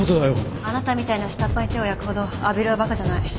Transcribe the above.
あなたみたいな下っ端に手を焼くほど阿比留はバカじゃない。